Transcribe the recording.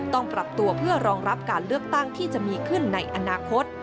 ต้องปรับตัวเพื่อรองรับการเลือกตั้งที่จะมีขึ้นในอนาคต